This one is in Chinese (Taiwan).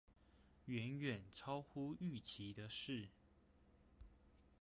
遠遠超乎預期的事